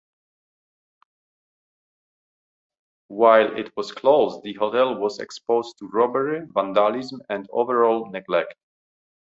While it was closed, the hotel was exposed to robbery, vandalism and overall neglect.